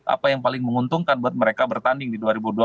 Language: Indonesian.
apa yang paling menguntungkan buat mereka bertanding di dua ribu dua puluh